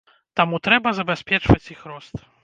Таму трэба забяспечваць іх рост.